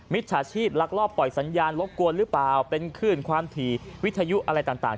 จฉาชีพลักลอบปล่อยสัญญาณรบกวนหรือเปล่าเป็นคลื่นความถี่วิทยุอะไรต่าง